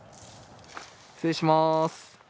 失礼します。